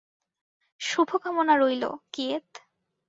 শুভকামনা রইলো, কিয়েত।